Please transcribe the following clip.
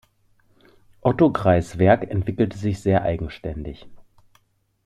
Otto Greis' Werk entwickelte sich sehr eigenständig.